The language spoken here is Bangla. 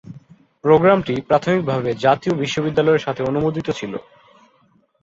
প্রোগ্রামটি প্রাথমিকভাবে জাতীয় বিশ্ববিদ্যালয়ের সাথে অনুমোদিত ছিল।